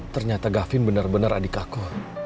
ternyata gavin benar benar adik aku